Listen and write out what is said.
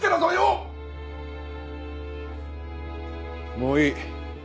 もういい。